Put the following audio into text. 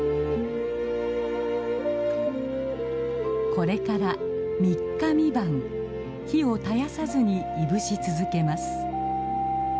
これから３日３晩火を絶やさずにいぶし続けます。